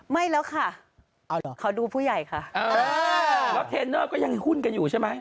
ไม่แล้วค่ะเอาเหรอขอดูผู้ใหญ่ค่ะแล้วเทรนเนอร์ก็ยังหุ้นกันอยู่ใช่ไหม